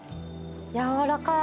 やわらかい。